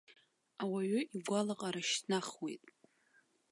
Ауаҩы игәалаҟара шьҭнахуеит.